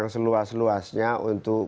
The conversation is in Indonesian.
yang seluas luasnya untuk